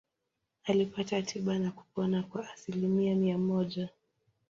Alipata tiba na kupona kwa asilimia mia moja.